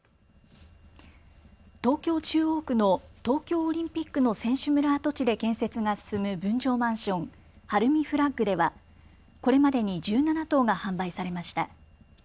東京中央区の東京オリンピックの選手村跡地で建設が進む分譲マンション、晴海フラッグではこれまでに１７棟が販売されました。